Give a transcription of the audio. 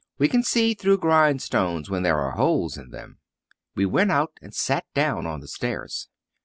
We can see through grindstones when there are holes in them! We went out and sat down on the stairs.